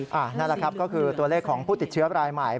นั่นแหละครับก็คือตัวเลขของผู้ติดเชื้อรายใหม่